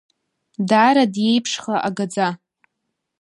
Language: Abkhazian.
Даара диеиԥшха агаӡа.